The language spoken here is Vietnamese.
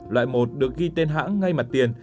loại một được ghi tên hãng ngay mặt tiền